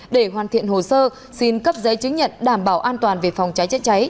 để hoàn thiện hồ sơ xin cấp giấy chứng nhận đảm bảo an toàn về phòng trái trái trái